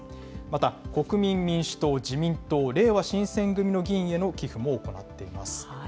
また国民民主党、自民党、れいわ新選組の議員への寄付も行っています。